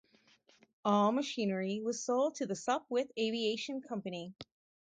All machinery was sold to the Sopwith Aviation Company.